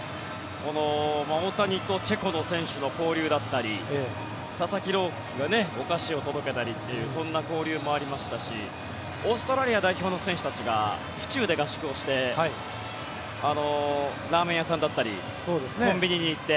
大谷とチェコの選手の交流だったり佐々木朗希がお菓子を届けたりというそんな交流もありましたしオーストラリア代表の選手たちが府中で合宿をしてラーメン屋さんだったりコンビニに行って。